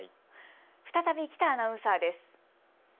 再び喜多アナウンサーです。